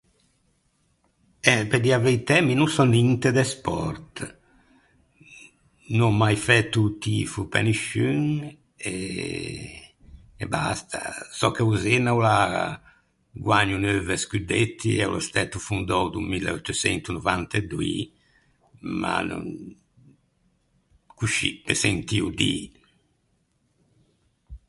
Eh pe dî a veitæ mi no sò ninte de sport, n’ò mai fæto o tifo pe nisciun eh e basta. Sò che o Zena o l’à guägno neuve scuddetti e o l’é stæto fondou do mille euttoçento novant’e doî, ma n- coscì, pe sentio dî.